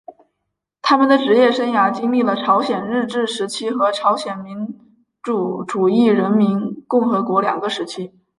他的职业生涯历经了朝鲜日治时期和朝鲜民主主义人民共和国两个时期。